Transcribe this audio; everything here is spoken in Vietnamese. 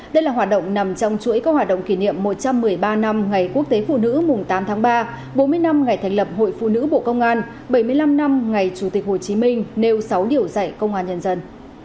đây là hoạt động nằm trong chuỗi các hoạt động kỷ niệm một trăm một mươi ba năm ngày quốc tế phụ nữ mùng tám tháng ba bốn mươi năm ngày thành lập hội phụ nữ bộ công an bảy mươi năm năm ngày chủ tịch hồ chí minh nêu sáu điều dạy công an nhân dân